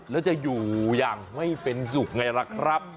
แล้วจะอยู่อย่างไม่เป็นสุขไงล่ะครับ